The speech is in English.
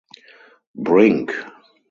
Brink.